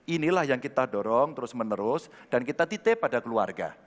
inilah yang kita dorong terus menerus dan kita titip pada keluarga